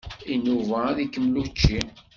Inuba ad ikemmel učči.